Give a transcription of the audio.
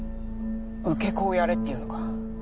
受け子をやれっていうのか？